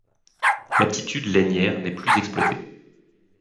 L'aptitude lainière n'est plus exploitée.